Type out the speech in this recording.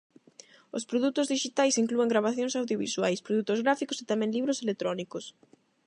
Os produtos dixitais inclúen gravacións audiovisuais, produtos gráficos e tamén libros electrónicos.